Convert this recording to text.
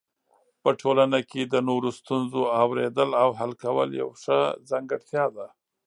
په ټولنه کې د نورو ستونزو اورېدل او حل کول یو ښه ځانګړتیا ده.